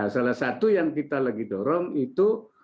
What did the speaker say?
salah satu yang kita lagi dorong itu